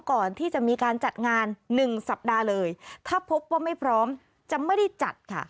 ก่อนที่จะมีการจัดงานหนึ่งสัปดาห์เลยถ้าพบว่าไม่พร้อมจะไม่ได้จัดค่ะ